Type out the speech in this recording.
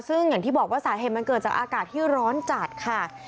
ซึ่งอย่างที่บอกว่าสาเหตุมันเกิดจากอากาศที่ร้อนจัดค่ะ